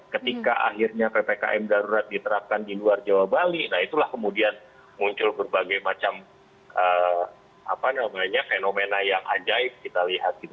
ketika akhirnya ppkm darurat diterapkan di luar jawa bali nah itulah kemudian muncul berbagai macam fenomena yang ajaib kita lihat gitu